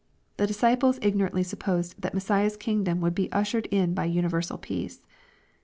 The disciples ignorantly supposed that Messiah's kingdom would be ushered in by universal peace.